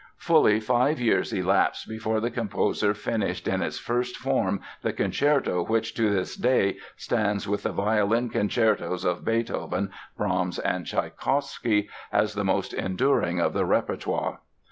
Fully five years elapsed before the composer finished in its first form the concerto which to this day stands with the violin concertos of Beethoven, Brahms and Tchaikovsky as the most enduring of the repertoire.